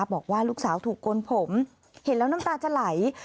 บอกว่าลูกสาวถูกโกนผมเห็นแล้วน้ำตาจะไหล